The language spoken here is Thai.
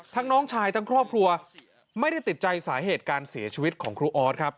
น้องชายทั้งครอบครัวไม่ได้ติดใจสาเหตุการเสียชีวิตของครูออสครับ